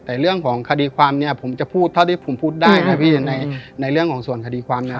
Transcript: แต่เรื่องของคดีความเนี่ยผมจะพูดเท่าที่ผมพูดได้นะพี่ในในเรื่องของส่วนคดีความเนี่ย